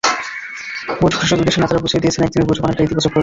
বৈঠক শেষে দুই দেশের নেতারা বুঝিয়ে দিয়েছেন একদিনের বৈঠক অনেকটা ইতিবাচক হয়েছে।